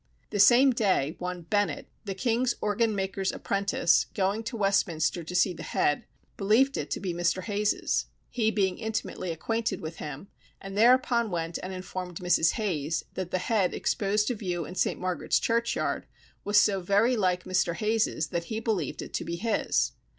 The same day one Bennet, the king's organ maker's apprentice, going to Westminster to see the head, believed it to be Mr. Hayes's, he being intimately acquainted with him; and thereupon went and informed Mrs. Hayes, that the head exposed to view in St. Margaret's churchyard, was so very like Mr. Hayes's that he believed it to be his.